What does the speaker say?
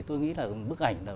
tôi nghĩ là bức ảnh